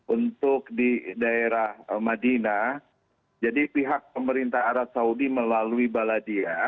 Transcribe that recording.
untuk di daerah madinah jadi pihak pemerintah arab saudi melalui baladia